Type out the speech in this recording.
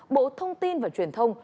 bộ thông tin và truyền thông